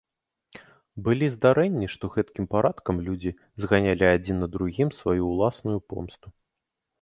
Былі здарэнні, што гэткім парадкам людзі зганялі адзін на другім сваю ўласную помсту.